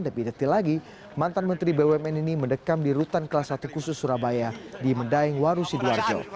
lebih detil lagi mantan menteri bumn ini mendekam di rutan kelas satu khusus surabaya di medaeng waru sidoarjo